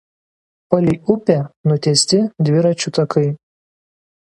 Palei upę nutiesti dviračių takai.